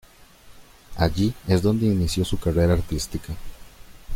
Allí es donde inició su carrera artística.